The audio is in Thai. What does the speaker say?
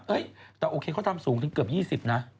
แต่โอเคเขาทำสูงถึงเกือบ๒๐นะ